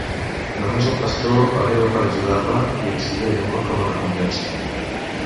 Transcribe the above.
Només el pastor arriba per ajudar-la i exigeix amor com a recompensa.